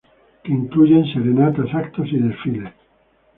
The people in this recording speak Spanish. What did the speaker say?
Que incluyen Serenatas, actos y Desfiles.